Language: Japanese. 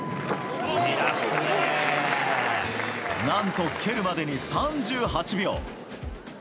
なんと蹴るまでに３８秒。